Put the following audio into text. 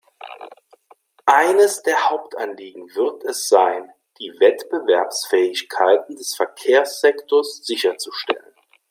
Eines der Hauptanliegen wird es sein, die Wettbewerbsfähigkeit des Verkehrssektors sicherzustellen.